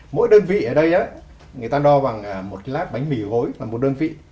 mỗi đơn vị ở đây người ta đo bằng một lát bánh mì gối bằng một đơn vị